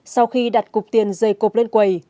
sau khi đặt cục tiền dây cộp lên quầy